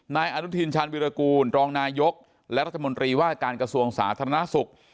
นายอนุทินชาญวิรากูลรองนายกและรัฐมนตรีว่าการกระทรวงสาธารณสุข